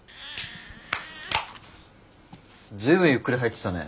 ずいぶんゆっくり入ってたね。